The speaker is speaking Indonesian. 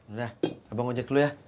udah abang ojek dulu ya